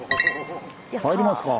入りますか。